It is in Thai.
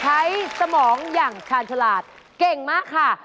สมองอย่างชาญฉลาดเก่งมากค่ะ